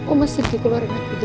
oma sedih kalau rena pergi